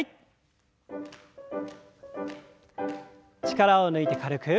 力を抜いて軽く。